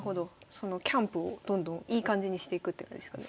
そのキャンプをどんどんいい感じにしていくって感じですかね。